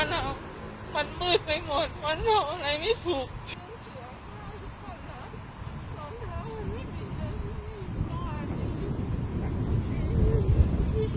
จ้านวันครั้งมันมืดไปหมดวันเขาอะไรไม่ถูก